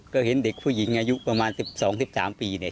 ก็เห็นเด็กผู้หญิงอายุประมาณ๑๒๑๓ปีเนี่ย